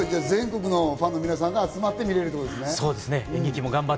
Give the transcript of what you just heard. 全国のファンの皆さんが集まって見れるということですね。